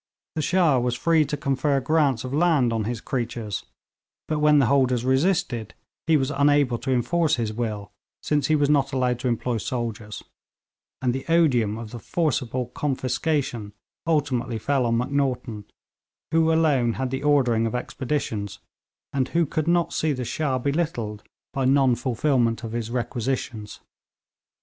The Shah was free to confer grants of land on his creatures, but when the holders resisted, he was unable to enforce his will since he was not allowed to employ soldiers; and the odium of the forcible confiscation ultimately fell on Macnaghten, who alone had the ordering of expeditions, and who could not see the Shah belittled by non fulfilment of his requisitions.